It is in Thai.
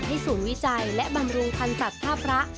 ให้สูญวิจัยและบำรุงควันศัตริย์ภาพระ